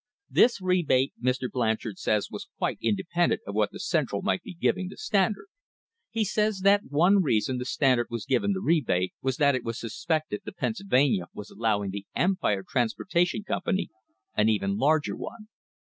This rebate Mr. Blanchard says was quite independent of what the Cen tral might be giving the Standard. He says that one reason the" THE HISTORY OF THE STANDARD OIL COMPANY Standard was given the rebate was that it was suspected the Pennsylvania was allowing the Empire Transportation Com pany an even larger one.